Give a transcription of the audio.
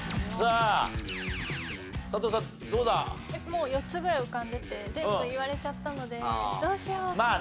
もう４つぐらい浮かんでて全部言われちゃったのでどうしよう。